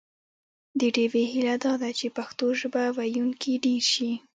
د ډیوې هیله دا ده چې پښتو ژبه ویونکي ډېر شي